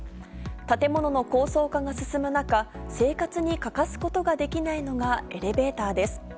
建物の高層化が進む中、生活に欠かすことができないのがエレベーターです。